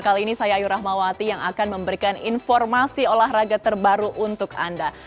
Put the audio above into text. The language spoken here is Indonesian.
kali ini saya ayu rahmawati yang akan memberikan informasi olahraga terbaru untuk anda